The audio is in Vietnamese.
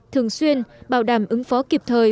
thường xuyên bảo đảm ứng phó kịp thời